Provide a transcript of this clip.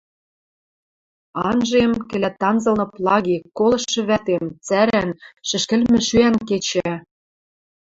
Анжем, кӹлӓт анзылны Плаги, колышы вӓтем, цӓрӓн, шӹшкӹлмӹ шӱӓн кечӓ...